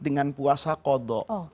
dengan puasa kodok